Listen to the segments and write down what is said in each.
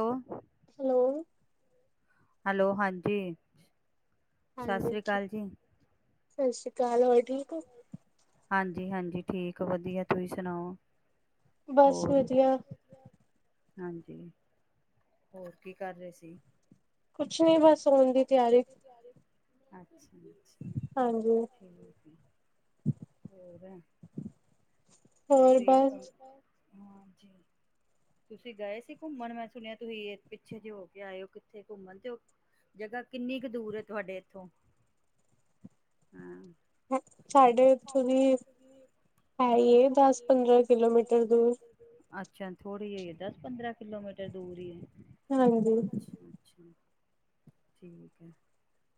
ਹੈ hello hello ਹਾਂਜੀ ਹਾਂਜੀ ਸਤਿ ਸ੍ਰੀ ਅਕਾਲ ਹੋਰ ਠੀਕ ਹੋ ਹਾਂਜੀ ਹਾਂਜੀ ਠੀਕ ਵਧੀਆ ਤੁਸੀਂ ਸੁਣਾਓ ਹੋਰ ਹਾਂਜੀ ਹੋਰ ਕੀ ਕਰ ਰਹੇ ਸੀ ਕੁਛ ਨੀ ਬਸ ਹੋਣ ਦੀ ਤਿਆਰੀ ਅੱਛਾ ਅੱਛਾ ਠੀਕ ਹੈ ਹੋਰ ਤੁਸੀ, ਹਾਂਜੀ ਤੁਸੀਂ ਗਏ ਸੀ ਕੁਮਨ ਮੈਂ ਸੁਣਿਆ ਤੁਹੀ ਪਿੱਛੇ ਜੇ ਹੋ ਕੇ ਆਏ ਹੋ ਕਿੱਥੇ ਘੁੰਮਣ ਤੇ ਹੋ ਜਗ੍ਹਾ ਕਿੰਨੀ ਕੁ ਦੂਰ ਤੁਹਾਡੇ ਇੱਥੋਂ, ਹਾਂ ਸਾਡੇ ਉੱਥੋਂ ਦੀ ਹੈ ਈ ਏ ਦਸ ਪੰਦਰਾਂ ਕਿਲੋਮੀਟਰ ਦੂਰ। ਅੱਛਾ, ਥੋੜ੍ਹੀ ਹੀ ਹੈ ਦਸ ਪੰਦਰਾਂ ਕਿਲੋਮੀਟਰ ਦੂਰ ਹੀ ਐ। ਅੱਛਾ-ਅੱਛਾ, ਠੀਕ ਐ।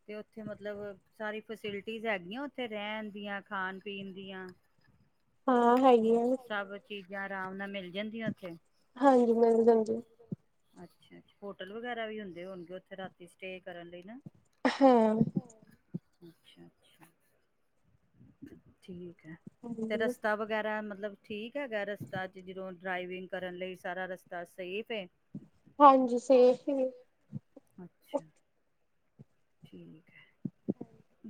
ਤੇ ਉੱਥੇ ਮਤਲਬ ਸਾਰੀ ਫੈਸਲਿਟੀਜ ਹੈਗੀਆਂ ਉੱਥੇ ਰਹਿਣ ਦੀਆਂ। ਖਾਣ ਪੀਣ ਦੀਆ, ਸਭ। ਚੀਜ਼ਾਂ ਆਰਾਮ ਨਾਲ ਮਿਲ ਜਾਂਦੀਆਂ ਉੱਥੇ। ਹਾਂਜੀ, ਮਿਲ ਜਾਂਦੀ ਏ। ਅੱਛਾ-ਅੱਛਾ, ਹੋਟਲ ਵਗੈਰਾ ਵੀ ਹੁੰਦੇ ਹੋਣਗੇ ਉੱਥੇ ਰਾਤੀ ਸ੍ਟੇ ਕਰਨ ਲਈ ਨਾ। ਹੈਂ। ਅੱਛਾ-ਅੱਛਾ। ਠੀਕ ਐ, ਤੇ ਰਸਤਾ ਵਗੈਰਾ ਮਤਲਬ ਠੀਕ ਹੈਗਾ ਰਸਤਾ ਚ ਜਦੋਂ ਡ੍ਰਾਈਵਿੰਗ ਕਰਨ ਲਈ ਸਾਰਾ ਰਸਤਾ ਸੇਫ ਐ। ਅੱਛਾ। ਠੀਕ ਐ।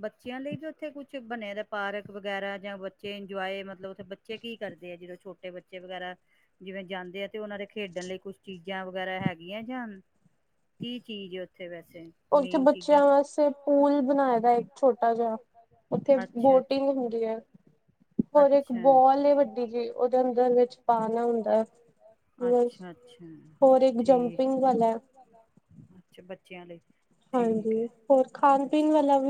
ਬੱਚਿਆਂ ਲਈ ਵੀ ਉੱਥੇ ਕੁਛ ਬਣਿਆ ਦਾ ਪਾਰਕ ਵਗੈਰਾ ਜਾਂ ਬੱਚੇ ਇੰਜੋਏ ਮਤਲਬ ਉੱਥੇ ਬੱਚੇ ਕੀ ਕਰਦੇ ਆ ਜਦੋਂ ਛੋਟੇ ਬੱਚੇ ਵਗੈਰਾ ਜਿਵੇਂ ਜਾਂਦੇ ਆ ਤੇ ਉਹਨਾਂ ਨੇ ਖੇਡਣ ਲਈ ਕੁਛ ਚੀਜ਼ਾਂ ਵਗੈਰਾ ਹੈਗੀਆਂ ਜਾਂ ਕੀ ਚੀਜ਼ ਉੱਥੇ ਵੈਸੇ? ਉੱਥੇ ਬੱਚਿਆਂ ਵਾਸਤੇ ਪੂਲ ਬਣਾਏ ਦਾ ਇੱਕ ਛੋਟਾ ਜਾ, ਉੱਥੇ ਬੋਟਿੰਗ ਹੁੰਦੀ ਐ। ਹੋਰ ਇੱਕ ਬੋਲ ਏ ਵੱਡੀ ਜੀ ਉਹਦੇ ਅੰਦਰ ਵਿੱਚ ਪਾਣਾ ਹੁੰਦਾ ਐ। ਅੱਛ-ਅੱਛਾ। ਹੋਰ ਏਕ ਜੰਪਿੰਗ ਵਾਲਾ ਐ। ਅੱਛਾ ਬੱਚਿਆਂ ਲਈ। ਹਾਂਜੀ ਹੋਰ ਖਾਣ ਪੀਣ ਵਾਲਾ ਵੀ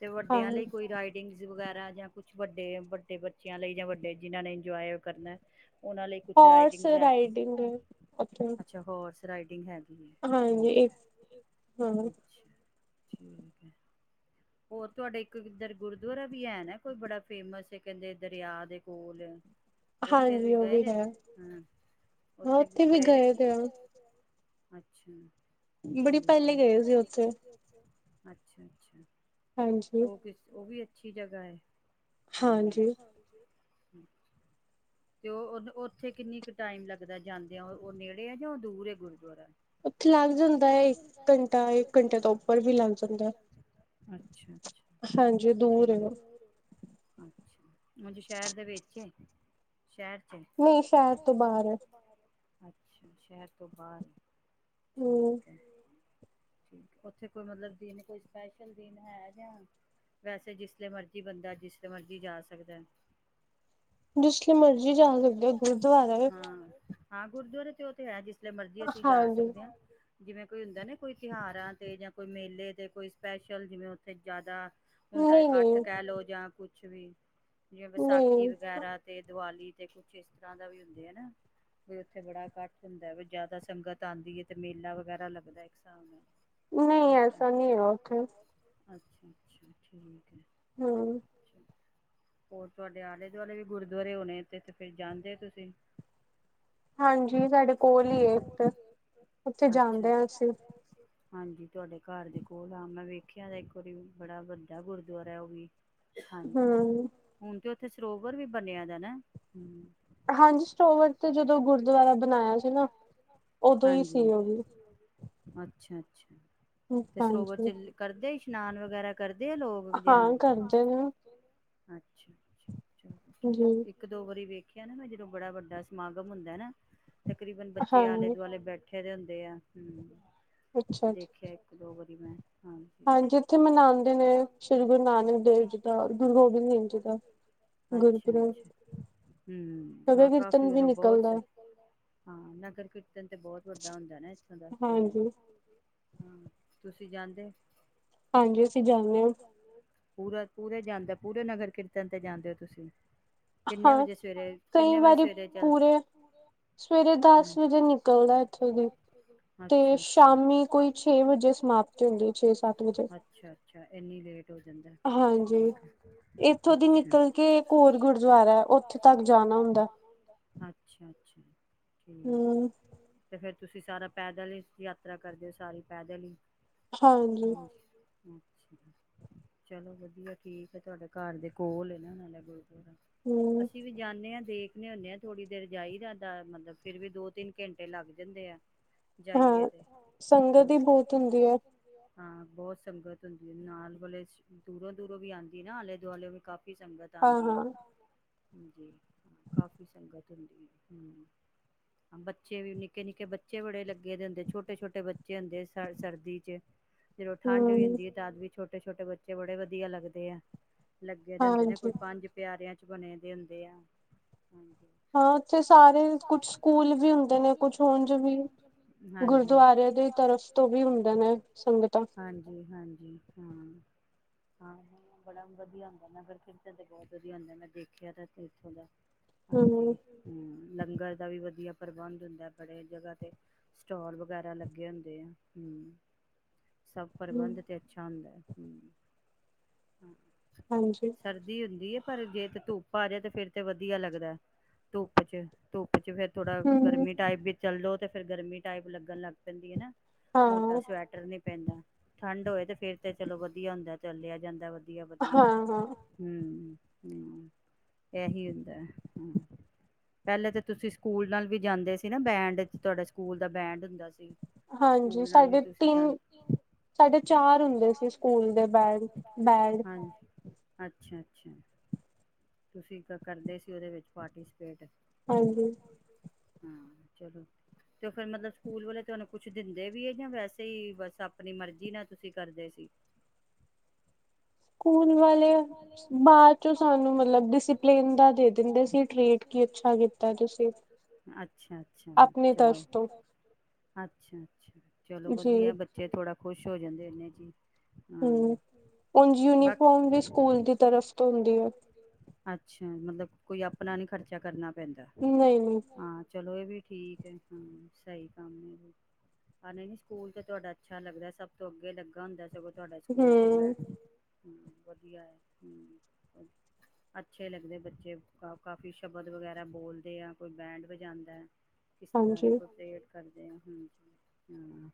ਤੇ ਵੱਡਿਆਂ ਲਈ ਕੋਈ ਰਾਈਡ। ਇੰਗਸ ਵਗੈਰਾ ਜਾਂ ਕੁਛ ਵੱਡੇ-ਵੱਡੇ ਬੱਚਿਆਂ ਲਈ ਜਾਂ ਵੱਡੇ ਜਿਨ੍ਹਾਂ ਨੇ ਇੰਜੋਏ ਕਰਨਾ ਅ। ਉਹ ਲਈ ਕੁਛ ਰਾਈਡਿੰਗ, ਅੱਛਾ ਹੋਰਸ। ਰਾਈਡਿੰਗ ਹੈਗੀ ਐ, ਠੀਕ ਐ, ਅੱਛਾ, ਠੀਕ। ਹੋਰ ਤੁਹਾਡੇ ਇੱਕ ਇੱਧਰ ਗੁਰਦੁਆਰਾ ਵੀ ਐ ਨਾ ਕੋਈ ਬੜਾ ਫੇਮਸ ਕਹਿੰਦੇ ਦਰਿਆ ਦੇ ਕੋਲ। ਹ। ਉੱਥੇ ਵੀ ਗਏ ਦੇ, ਹੁੰ, ਉੱਥੇ ਗਏ ਦੇ [unintelligible] ਅੱਛਾ। ਬੜੀ ਪਹਿਲੇ ਗਏ ਸੀ ਉੱਥੇ। ਅੱਛਾ-ਅੱਛਾ। ਉਹ ਕਿਸ, ਉਹ ਵੀ ਅੱਛੀ ਜਗ੍ਹਾ ਏ, ਹੁੰ [unintelligible] ਤੇ ਉਹ ਉ-ਉੱਥੇ ਕਿੰਨੀ ਕੁ ਟਾਈਮ ਲੱਗਦਾ ਜਾਂਦਿਆਂ ਉਹ ਨੇੜੇ ਐ ਜਾਂ ਉਹ ਦੂਰ ਐ ਗੁਰੂਦੁਆਰਾ। ਉੱਥੇ ਲੱਗ ਜਾਂਦਾ ਐ ਇੱਕ ਘੰਟਾ ਇੱਕ ਘੰਟੇ ਤੋਂ ਉੱਪਰ ਵੀ ਲੱਗ ਜਾਂਦਾ ਐ। ਅੱਛਾ-ਅੱਛਾ, ਠੀਕ ਹਾਂ। ਅੱਛਾ ਹਜ ਸ਼ਹਿਰ ਦੇ ਵੇਚ ਹੈ। ਸ਼ਹਿਰ 'ਚ ਹੇ? ਨਹੀਂ ਸ਼ਹਿਰ ਤੋਂ ਬਾਹਰ। ਅੱਛਾ ਸ਼ਹਿਰ ਤੋਂ ਬਾਹਰ ਆ। ਹਸਮ, ਠੀਕ ਹੈ। ਉੱਥੇ ਕੋਈ ਮਤਲਬ ਦਿਨ ਕੋਈ ਸਪੈਸ਼ਲ ਦਿਨ ਹੈ ਯਾ?। ਵੈਸੇ ਜਿਸਲੇ ਮਰਜ਼ੀ ਬੰਦਾ ਜਿਸਲੇ ਮਰਜ਼ੀ ਜਾ ਸਕਦਾ ਹੈ। ਜਿਸਲੇ ਮਰਜੀ ਜਾ ਸਕਦੇ ਹੋ ਗੁਰਦੁਆਰਾ ਹੈ। ਹਾਂ ਗੁਰਦੁਆਰੇ ਤੇ, ਉਹ ਤੇ ਹੈ ਜਿਸ ਲੇ ਮਰਜੀ ਅਸੀਂ ਜਾ ਸਕਦੇ ਹਾਂ। ਜਿਵੇਂ ਕੋਈ ਹੁੰਦਾ ਨਾ ਕੋਈ ਤਿਉਹਾਰਾਂ ਤੇ ਜਾਂ ਕੋਈ ਮੇਲੇ ਤੇ ਕੋਈ ਸਪੈਸ਼ਲ ਜਿਵੇਂ ਉੱਥੇ ਜ਼ਿਆਦਾ। ਹੁੰਦਾ ਹੈ ਕੱਠ ਕਹਿ ਲੋੋ ਜਾਂ ਕੁਛ ਵੀ। ਜਿਵੇਂ ਵਿਸਾਖੀ ਵਗੈਰਾ ਤੇ ਦੀਵਾਲੀ ਤੇ ਕੁਛ ਇਸ ਤਰ੍ਹਾਂ ਦਾ ਵੀ ਹੁੰਦੇ ਐ ਨਾ। ਬਈ ਉੱਥੇ ਬੜਾ ਇੱਕਠ ਹੁੰਦਾ ਵੀ ਜਿਆਦਾ ਸੰਗਤ ਆਉਂਦੀ ਹੈ ਤੇ ਮੇਲਾ ਵਗੈਰਾ ਲੱਗਦਾ ਇੱਕ ਸਾਬ ਨਾਲ। ਨਹੀਂ, ਐਸਾ ਨਹੀਂ ਆ ਉੱਥੇ। ਅੱਛਾ-ਅੱਛਾ ਠੀਕ ਹੈ ਆ। ਹੂੰ। ਹੋਰ ਤੁਹਾਡੇ ਆਲੇ- ਦੁਆਲੇ ਵੀ ਗੁਰ ਦੁਆਰੇ ਹੋਣੇ ਤੇ ਤੇ ਫਿਰ ਜਾਂਦੇ ਹੋ ਤੁਸੀਂ? ਹਾਂਜੀ, ਸਾਡੇ ਕੋਲ ਹੀ ਹੈ ਇੱਕ ਉੱਥੇ ਜਾਂਦੇ ਆ ਅਸੀਂ। ਹਾਂਜੀ। ਤੁਹਾਡੇ ਘਰ ਦੇ ਕੋਲ ਆ, ਮੈਂ ਵੇਖਿਆ ਇੱਕ ਵਾਰੀ ਬੜਾ ਵੱਡਾ ਗੁਰਦੁਆਰਾ ਉਹ ਵੀ। ਹਾਂਜੀ। ਹੁਣ ਤੇ ਉੱਥੇ ਸਰੋਵਰ ਵੀ ਬਣਿਆ ਦਾ ਨਾ? ਹਾਂਜੀ। ਸਰੋਵਰ ਤੇ ਜਦੋਂ ਗੁਰਦੁਆਰਾ ਬਣਾਇਆ ਸੀ ਨਾ, ਓਦੋਂ ਈ ਸੀ ਉਹ ਵੀ ਅੱਛਾ-ਅੱਛਾ ਤੇ ਸਰੋਵਰ 'ਚ ਕਰਦੇ ਹੀ ਇਸ਼ਨਾਨ ਵਗੈਰਾ ਕਰਦੇ ਆ ਲੋਕ? ਗੁਰਦਿਆਂਨਾ, ਹਾਂ ਕਰਦੇ ਨੇ। ਅੱਛਾ ਇੱਕ ਦੋ ਵਾਰੀ ਵੇਖਿਆ ਨਾ ਮੈਂ ਜਦੋਂ ਬੜਾ ਵੱਡਾ ਸਮਾਗਮ ਹੁੰਦਾ ਨਾ ਤਕਰੀਬਨ ਬੱਚੇ ਆਲੇ ਦੁਆਲੇ ਬੈਠ ਠੇ ਦੇ ਹੁੰਦੇ ਆ ਦੇਖਿਆ ਇਕ ਦੋ ਵਾਰੀ ਮੈਂ। ਹਾਂਜੀ ਇੱਥੇ ਮਨਾਉਂਦੇ ਨੇ ਸ਼੍ਰੀ ਗੁਰੂ ਨਾਨਕ ਦੇਵ ਜੀ ਦਾ ਔਰ ਗੁਰੂ ਗੋਬਿੰਦ ਸਿੰਘ ਜੀ ਦਾ। ਗੁਰੂ ਪੂਰਬ ਹੂੰ, ਹਾਂ ਕਾਫੀ ਵਾਰਾਂ ਬੋਚ ਹਾਂ ਨਗਰ ਕੀਰਤਨ ਤੇ ਬਹੁਤ ਵੱਡਾ ਹੁੰਦਾ ਨਾ ਇਥੋਂ ਦਾ ਹੂੰ, ਹਾਂਜੀ। ਹੂੰ ਤੁਸੀਂ ਜਾਂਦੇ? ਹਾਂਜੀ ਅਸੀਂ ਜਾਨੇ ਹਾਂ। ਪੂਰਾ ਪੂਰੇ ਜਾਂਦਾ ਪੂਰੇ ਨਗਰ ਕੀਰਤਨ ਤੇ ਜਾਂਦੇ ਹੋ ਤੁਸੀਂ? ਕਿੰਨੇ ਵਜੇ ਸਵੇਰੇ ਕਿੰਨੇ ਵਜੇ ਸਵੇਰੇ ਚਲੇ ਸਵੇਰੇ ਦਸ ਵਜੇ ਨਿਕਲਦਾ ਅਥੇ ਜੀ, ਅੱਛਾ-ਅੱਛਾ ਸ਼ਾਮੀ ਨੇ ਕੋਈ ਛੇ ਵਜੇ ਤੇ ਸਮਾਪਤੀ ਹੁੰਦੀ ਹੈ ਛੇ ਸਤ ਵਜੇ, ਅੱਛਾ-ਅੱਛਾ ਏਨੀ ਲੇਟ ਹੋ ਜਾਂਦਾ। ਹਾਂਜੀ, ਠੀਕ ਐ। ਇਥੋਂ ਦੇ ਕੇ ਹੋਰ ਗੁਰਦੁਆਰਾ ਉੱਥੇ ਤੱਕ ਜਾਣਾ ਹੁੰਦਾ। ਅੱਛਾ-ਅੱਛਾ ਠੀਕ ਹੈ। ਤੇ ਫਿਰ ਤੁਸੀਂ ਸਾਰਾ ਪੈਦਲ ਹੀ ਯਾਤਰਾ ਕਰਦੇ ਹੋ ਸਾਰੀ ਪੈਦਲ ਹੀ। ਹਾਂਜੀ ਹੂੰ ਹੂੰ, ਚਲੋ ਵਧੀਆ ਠੀਕ ਹੈ ਤੁਹਾਡੇ ਘਰ ਦੇ ਕੋਲ ਨਾਲੇ ਗੁਰ ਅਸੀਂ ਵੀ ਜਾਂਦੇ ਆ, ਦੇਖ ਹੁੰਦੇ ਆ ਥੋੜ੍ਹੀ ਦੇਰ ਜਾਈਦਾ। ਮਤਲਬ ਫੇਰ ਵੀ ਦੋ- ਤਿੰਨ ਘੰਟੇ ਲੱਗ ਜਾਂਦੇ ਆ। ਜਾਈਏ ਤੇ। ਹਾਂ ਹਾਂ, ਬਹੁਤ ਸੰਗਤ ਹੁੰਦੀ ਹੈ ਨਾਲ ਵਾਲੇ ਚ' ਦੂਰੋਂ- ਦੂਰੋਂ ਵੀ ਆਉਂਦੀ ਨਾ ਆਲੇ- ਦੁਆਲੇਉ ਵੀ ਕਾਫ਼ੀ ਸੰਗਤ ਆਉਂਦੀ ਹੈ। ਹਾਂਜੀ ਹਾਂ, ਕਾਫੀ ਸੰਗਤ ਹੁੰਦੀ ਹੈ। ਹੂੰ ਬੱਚੇ ਵੀ ਨਿੱਕੇ- ਨਿੱਕੇ ਬੱਚੇ ਬੜੇ ਲੱਗੇ ਦੇ ਹੁੰਦੇ। ਛੋਟੇ- ਛੋਟੇ ਬੱਚੇ ਹੁੰਦੇ ਸ ਸਰਦੀ ਚ'। [inaudible] ਜਦੋਂ ਠੰਡ ਵੀ ਹੁੰਦੀ ਹੈ ਤਦ ਵੀ ਛੋਟੇ ਛੋਟੇ ਬੱਚੇ ਬੜੇ ਵਧੀਆ ਲੱਗਦੇ ਆ, ਲੱਗੇ ਦੇ ਹੁੰਦੇ ਨੇ। ਪੰਜ ਪਿਆਰਿਆਂ ਚ' ਬਣੇ ਦੇ ਹੁੰਦੇ ਆ, ਹਾਂਜੀ। ਹਾਂ, ਉਥੇ ਸਾਰੇ ਕੁਛ ਸਕੂਲ ਵੀ ਹੁੰਦੇ ਨੇ ਕੁਛ ਉਜ ਵੀ ਹਾਂਜੀ। ਗੁਰਦੁਆਰੇ ਹਾਂਜੀ-ਹਾਂਜੀ। ਹੂੰ, ਹਾਂ, ਬੜਾ ਵਧੀਆ ਹੁੰਦਾ ਨਾ ਫੇਰ ਤੇ ਇਹ ਤੇ ਬਹੁਤ ਵਧੀਆ ਹੁੰਦਾ ਮੈਂ ਦੇਖਿਆ ਤਾਂ ਇੱਥੋਂ ਦਾ, ਹਾਂਜੀ। ਹੂੰ, ਲੰਗਰ ਦਾ ਵੀ ਵਧੀਆ ਪ੍ਰਬੰਧ ਹੁੰਦਾ ਬੜੇ ਜਗ੍ਹਾ ਤੇ। ਸਟੋਲ ਵਗੈਰਾ ਲੱਗੇ ਹੁੰਦੇ ਆ, ਹੂੰ ਸਭ ਪ੍ਰਬੰਧ ਤੇ ਅੱਛਾ ਹੁੰਦਾ। ਹੂੰ ਹਾਂ ਹਾਂਜੀ। ਸਰਦੀ ਹੁੰਦੀ ਹੈ ਪਰ ਜੇ ਤੇ ਧੁੱਪ ਆਜੇ ਤੇ ਫੇਰ ਤੇ ਵਧੀਆ ਲੱਗਦਾ। ਧੁੱਪ ਚ', ਧੁੱਪ ਚ' ਫਿਰ ਥੋੜਾ ਗਰਮੀ ਟਾਈਪ ਵੀ ਚੱਲਲੋ, ਤੇ ਫੇਰ ਗਰਮੀ ਟਾਈਪ ਲੱਗਣ ਲੱਗ ਪੈਂਦੀ ਏ, ਨਾ, ਮ੍ਹੋਟਾ ਸਵੈ ਸਵੈਟਰ ਨਹੀਂ ਪੈਂਦਾ। ਠੰਡ ਹੋਏ ਤੇ ਫੇਰ ਤੇ ਚਲੋ ਵਧੀਆ ਹੁੰਦਾ, ਚੱਲਿਆ ਜਾਂਦਾ, ਵਧੀਆ-ਵਧੀਆ। ਹੂੰ-ਹੂੰ ਐਹੀ ਹੁੰਦਾ, ਹੂੰ ਪਹਿਲੇ ਤਾਂ ਤੁਸੀ ਸਕੂਲ ਨਾਲ ਵੀ ਜਾਂਦੇ ਸੀ ਨਾ, ਬੈਂਡ'ਚ ਤੁਹਾਡੇ ਸਕੂਲ ਦਾ ਬੈਂਡ ਹੁੰਦਾ ਸੀ। ਹਾਂਜੀ, ਸਾਡੇ ਤਿੰਨ ਸਾਡੇ ਚਾਰ ਹੁੰਦੇ ਸੀ, ਸਕੂਲ ਦੇ ਬੈੱਡ-ਬੈੱਡ ਅਛਾ-ਅਛਾ, ਤੁਸੀ ਕਰਦੇ ਸੀ ਉਹਦੇ ਵਿਚ ਪਾਰਟੀਸਪੇਟ? ਹੂੰ, ਹਾਂ, ਚਲੋ। ਤੇ ਫਿਰ, ਮਤਲਬ ਸਕੂਲ ਵਾਲੇ ਤੁਹਾਨੂੰ ਕੁਛ ਦਿੰਦੇ ਵੀ ਏ, ਕੀ ਵੈਸੇ ਹੀ, ਬਸ ਆਪਣੀ ਮਰਜ਼ੀ ਨਾਲ ਤੁਸੀ ਕਰਦੇ ਸੀ। ਸਕੂਲ ਵਾਲੇ ਓ, ਬਾਅਦ'ਚ ਸਾਨੂੰ ਮਤਲਬ, ਡਿਸੀਪਲੀਨ ਤਾਂ ਦੇ ਦਿੰਦੇ ਸੀ [unintelligible] ਅੱਛਾ-ਅੱਛਾ, ਚਲੋ ਅੱਛਾ-ਅੱਛਾ ਚਲੋ ਵਧੀਆ, ਬੱਚੇ ਥੋੜਾ ਖੁਸ਼ ਹੋ ਜਾਂਦੇ ਇਨੇ'ਚ ਈ। ਹੂੰ, ਉਝ ਯੂਨੀਫੋਮ ਵੀ ਸਕੂਲ ਦੀ ਤਰਫ ਤੋਂ ਹੁੰਦੀ ਆ। ਅੱਛਾ, ਮਤਲਬ, ਕੋਈ ਆਪਣਾ ਨੀ ਖਰਚਾ ਕਰਨਾ ਪੈਂਦਾ। ਨਹੀਂ-ਨਹੀਂ। ਹਾਂ, ਚਲੋ ਇਹ ਵੀ ਠੀਕ ਏ। ਹੂੰ, ਸਹੀ ਕੰਮ ਏ। ਹਾਂ, ਨਹੀਂ-ਨਹੀਂ, ਸਕੂਲ ਤੇ ਤੁਹਾਡਾ ਅੱਛਾ ਲੱਗਦਾ, ਸਭ ਤੋਂ ਅੱਗੇ ਲੱਗਾ ਹੁੰਦਾ ਸਗੋਂ ਤੁਹਾਡਾ ਸਕੂਲ ਤੇ, ਮੈਂ ਹੂੰ, ਵਧੀਆ ਏ, ਹੂੰ ਅੱਛੇ ਲੱਗਦੇ ਬੱਚੇ। ਕਾਫ਼ੀ ਸ਼ਬਦ ਵਗੈਰਾ ਬੋਲਦੇ ਆ, ਕੋਈ ਬੈਂਡ ਵਜਾਂਦਾ ਐ। ਕਿਸ ਤਰ੍ਹਾਂ ਦੇ, ਪਤੇੜ ਕਰਦੇ ਹਾ ਹਾਂਜੀ, ਹਾਂ,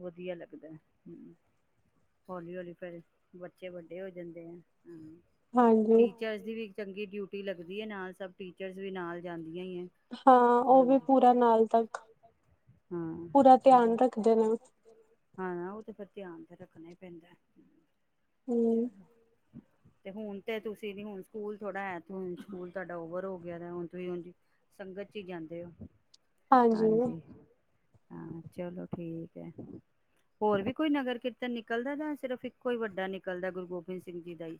ਵਧੀਆ ਲੱਗਦਾ, ਹੂੰ। ਹੌਲੀ-ਹੌਲੀ, ਫੇਰ ਬੱਚੇ ਵੱਡੇ ਹੋ ਜਾਂਦੇ ਐ, ਹੂੰ‌। ਹਾਂਜੀ। ਟੀਚਰਸ ਦੀ ਵੀ ਇਕ ਚੰਗੀ ਡਿਊਟੀ ਲੱਗਦੀ ਏ, ਨਾਲ ਸਭ ਟੀਚਰਸ ਵੀ ਨਾਲ ਜਾਂਦੀਆਂ ਹੀ ਐ। ਹੂੰ, ਹਾਂ, ਚਲੋ। ਹਾਂ, ਉਹ ਤੇ ਫਿਰ ਧਿਆਨ ਤੇ ਰੱਖਣਾ ਹੀ ਪੇਂਦਾ। ਚਲੋ ਤੇ ਹੁਣ ਤੇ ਤੁਸੀ, ਨੀ ਹੁਣ ਸਕੂਲ ਥੋੜਾ ਹੈ, ਸਕੂਲ ਥੋਡਾ ਓਵਰ ਹੋਗਿਆ, ਤੇ ਹੁਣ ਤੁਸੀ ਊਂਝ ਈ ਸੰਗਤ'ਚ ਹੀ ਜਾਂਦੇ ਹੋ, ਹਾਂਜੀ। ਹਾਂ, ਚਲੋ ਠੀਕ ਐ। ਹੋਰ ਵੀ ਕੋਈ ਨਗਰ-ਕੀਰਤਨ ਨਿਕਲਦਾ, ਜਾਂ ਸਿਰਫ਼ ਇਕੋ ਹੀ ਵੱਡਾ ਨਿਕਲਦਾ, ਗੁਰੂ ਗੋਬਿੰਦ ਸਿੰਘ ਜੀ ਦਾ ਹੀ?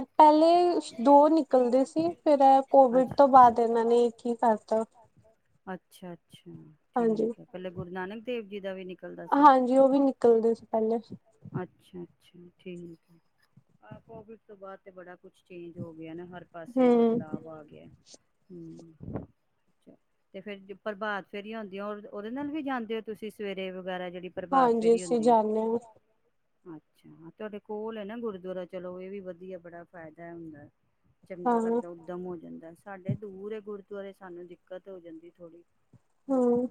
ਇੱਕ ਕੀ ਬਾਰ ਪਹਿਲੇ, ਦੋ ਨਿਕਲਦੇ ਸੀ, ਫਿਰ ਓ ਤੋਂ ਬਾਅਦ ਉਹਨਾਂ ਨੇ- ਅਛਾ-ਅਛਾ ਠੀਕ ਐ। ਪਹਿਲਾ ਗੁਰੂ ਨਾਨਕ ਦੇਵ ਜੀ ਦਾ ਵੀ ਨਿੱ ਹਾਂਜੀ, ਉਹ ਵੀ ਨਿਕਲਦੇ ਸੀ, ਪਹਿਲੇ। ਅੱਛਾ-ਅੱਛਾ। ਠੀਕ ਏ, ਆਹ ਕੋਵਿਡ ਤੋਂ ਬਾਅਦ ਤੇ ਬੜਾ ਕੁਛ ਚੇਂਜ ਹੋਗਿਆ ਨਾ, ਹਰ ਪਾਸੇ ਬਦਲਾਵ ਆਗਿਆ, ਹੂੰ। ਤੇ, ਫੇਰ ਪਰਭਾਤ ਫੇਰੀਆਂ ਹੋਂਦੀਆ ਉਹਦੇ ਨਾਲ ਵੀ ਜਾਂਦੇ ਹੋ, ਤੁਸੀ ਸਵੇਰੇ ਵਗੈਰਾ ਜਿਹੜੀ ਪਰਭਾਤ ਫੇਰੀ ਹੁੰਦੀ ਏ। ਅਛਾ। ਤੁਹਾਡੇ ਕੋਲ ਐ ਨਾ, ਗੁਰਦੁਆਰਾ ਚਲੋ ਇਹ ਵੀ ਵਧੀਆ ਬੜਾ ਫਾਇਦਾ ਹੁੰਦਾ। ਚੰਗਾ ਲੱਗਦਾ, ਉੱਦਮ ਹੋ ਜਾਂਦਾ। ਸਾਡੇ ਦੂਰ ਐ ਗੁਰਦੁਆਰੇ, ਸਾਨੂੰ ਦਿੱਕਤ ਹੋ ਜਾਂਦੀ ਥੋੜੀ। ਹੂੰ,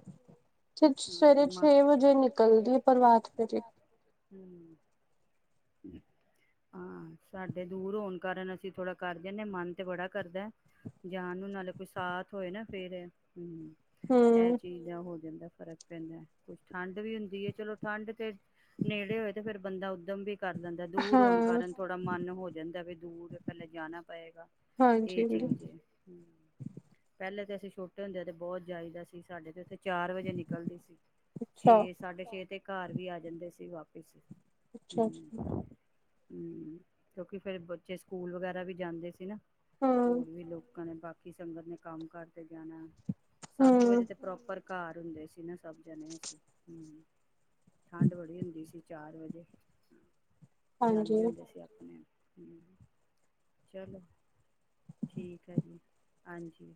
ਤੇ ਸਵੇਰੇ ਛੇ ਵਜੇ ਨਿਕਲਦੀ ਏ, ਪਰਭਾਤ ਫੇਰੀ। ਹੂੰ। ਹੂੰ [inaudible] ਆਂ, ਸਾਡੇ ਦੂਰ ਹੋਣ ਕਾਰਨ ਅਸੀ ਥੋੜਾ ਕਰ ਜਾਂਦੇ ਆ, ਮਨ ਤੇ ਬੜਾ ਕਰਦਾ। ਜਾਂਨ ਨੂੰ, ਨਾਲੇ ਕੋਈ ਸਾਥ ਹੋਏ ਨਾ ਫੇਰ ਐ। ਹੂੰ, ਇਹ ਚੀਜ਼ ਦਾ ਹੋ ਜਾਂਦਾ ਫ਼ਰਕ। ਪੇਂਦਾ। ਕੁਛ ਠੰਡ ਵੀ ਹੁੰਦੀ ਏ ਚਲੋ, ਠੰਢ ਤੇ ਨੇੜੇ ਹੋਏ ਤੇ ਫੇਰ ਬੰਦਾ ਉੱਦਮ ਵੀ ਕਰ ਦਿੰਦਾ, ਦੂਰ ਹੋਣ ਕਾਰਨ ਥੋੜਾ ਮਨ ਹੋ ਜਾਂਦਾ, ਵੀ ਦੂਰ ਪਹਿਲੇ ਜਾਣਾ ਪਇਗਾ। ਇਹ ਚੀਜ਼ ਏ। ਪਹਿਲੇ ਤੇ ਅਸੀ ਛੋਟੇ ਹੁੰਦੇ ਤੇ ਬਹੁਤ ਜਾਈਦਾ ਸੀ ਸਾਡੇ ਤੇ ਉਥੇ ਚਾਰ ਵਜੇ ਨਿਕਲਦੀ ਸੀ ਛੇ- ਸਾਡੇ ਛੇ ਤੇ ਘਰ ਵੀ ਆ ਜਾਂਦੇ ਸੀ ਵਾਪਿਸ ਅੱਛਾ ਹਮ ਕਿਉਂਕਿ ਫੇਰ ਬੱਚੇ ਸਕੂਲ ਵਗੈਰਾ ਵੀ ਜਾਂਦੇ ਸੀ ਨਾ ਹੋਰ ਵੀ ਲੋਕਾਂ ਨੇ ਬਾਕੀ ਸੰਗਤ ਨੇ ਕੰਮ ਕਾਰ ਤੇ ਜਾਣਾ ਸੱਤ ਵਜੇ ਤੇ ਪ੍ਰੋਪਰ ਘਰ ਹੁੰਦੇ ਸੀ ਨਾ ਸਭ ਜਣੇ ਸੀ ਹਮ ਠੰਡ ਬੜੀ ਹੁੰਦੀ ਸੀ ਚਾਰ ਵਜੇ ਜਾਂਣਦੇ ਹੁੰਦੇ ਸੀਂ ਆਪਣੇ ਚਲੋ ਠੀਕ ਹੈ ਜੀ ਹਾਂਜੀ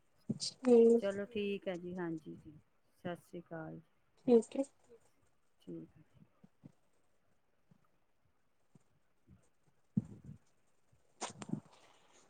ਚਲੋ ਠੀਕ ਹੈ ਜੀ ਹਾਂਜੀ ਸਤਿ ਸ੍ਰੀ ਕਾਲ [unintelligible] ਠੀਕ ਹਠ [unintelligible] [unintelligible]